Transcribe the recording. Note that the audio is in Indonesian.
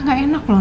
gak enak no